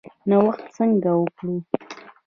نوښت څنګه وکړو؟